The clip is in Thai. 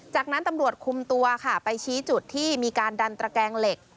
จากนั้นตำรวจคุมตัวค่ะไปชี้จุดที่มีการดันตระแกงเหล็ก